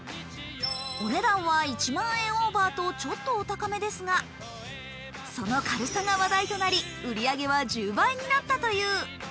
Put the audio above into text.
お値段は１万円オーバーとちょっとお高めですが、その軽さが話題となり、売り上げは１０倍になったという。